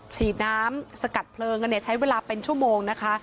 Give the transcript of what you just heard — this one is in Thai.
ฉีดน้ำสกัดเพลิงกันใช้เวลาเป็นชั่วโมงนะคะ